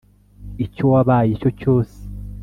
icyo wabaye cyo cyose